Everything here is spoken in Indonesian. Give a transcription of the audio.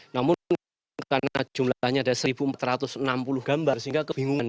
namun karena jumlahnya ada satu empat ratus enam puluh gambar sehingga kebingungan